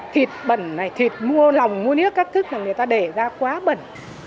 thịt bẩn này thịt mua lòng mua nước các thứ này người ta để ra quá bẩn